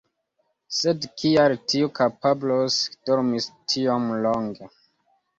Sed kial tiu kapablo dormis tiom longe?